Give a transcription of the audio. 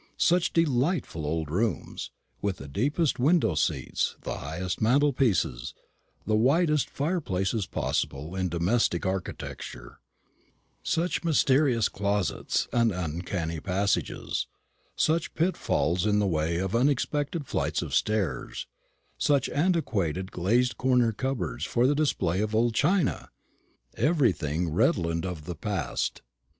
Such delightful old rooms, with the deepest window seats, the highest mantelpieces, the widest fireplaces possible in domestic architecture; such mysterious closets and uncanny passages; such pitfalls in the way of unexpected flights of stairs; such antiquated glazed corner cupboards for the display of old china! everything redolent of the past.